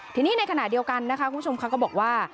ทีนี้ในขณะเดียวกันนะคะคุณผู้ชมเขาก็บอกว่า